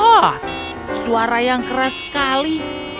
oh suara yang keras sekali